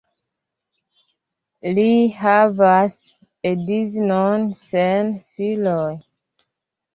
Li havas edzinon sen filoj.